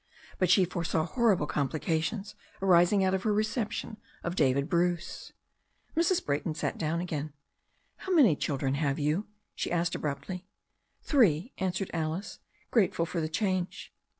But she foresaw horrible complications arising out of her reception of David Bruce. Mrs. Brayton sat down again. ^ "How many children have you?" she asked abruptly. "Three," answered Alice, grateful for the change.